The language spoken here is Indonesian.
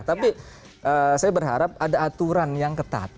tapi saya berharap ada aturan yang ketat